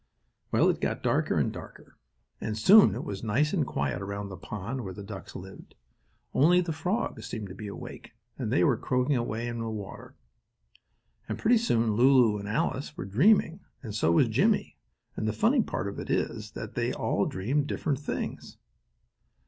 Well, it got darker and darker, and soon it was nice and quiet around the pond where the ducks lived. Only the frogs seemed to be awake, and they were croaking away in the water. And pretty soon Lulu and Alice were dreaming and so was Jimmie, and the funny part of it is that they all dreamed different things.